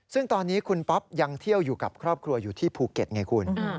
ซึ่งตอนนี้คุณป๊อปยังเที่ยวอยู่กับครอบครัวอยู่ที่ภูเก็ตไงคุณ